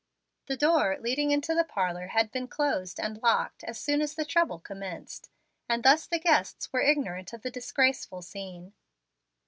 The door leading into the parlor had been closed and locked as soon as the trouble commenced, and thus the guests were ignorant of the disgraceful scene.